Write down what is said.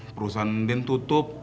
perusahaan den tutup